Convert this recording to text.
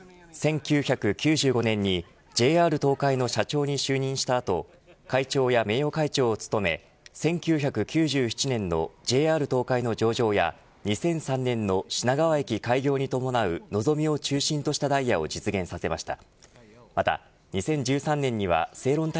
１９９５年にＪＲ東海の社長に就任した後会長や名誉会長を務め１９９７年のＪＲ東海の上場や２００３年の品川駅開業に伴うのぞみを中心としたダイヤを実現させました。